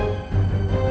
aku mau kemana